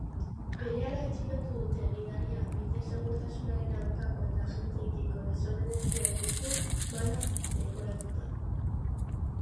Berehala atxilotu dute gidaria bide-segurtasunaren aurkako eta agenteekiko desobedientzia delitu bana leporatuta.